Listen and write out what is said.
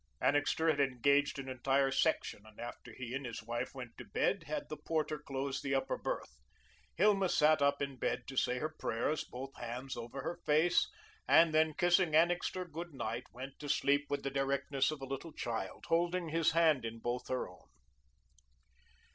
Annixter had engaged an entire section, and after he and his wife went to bed had the porter close the upper berth. Hilma sat up in bed to say her prayers, both hands over her face, and then kissing Annixter good night, went to sleep with the directness of a little child, holding his hand in both her own.